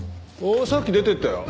さっき出ていったよ。